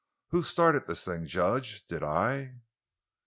Who started this thing, judge? Did I?"